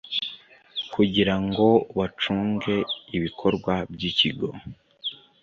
kugira ngo bacunge ibikorwa by ikigo